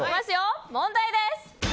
問題です。